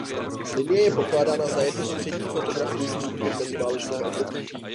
Linie je pokládána za jednu z předních fotografických skupin meziválečného období.